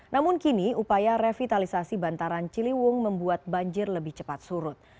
namun kini upaya revitalisasi bantaran ciliwung membuat banjir lebih cepat surut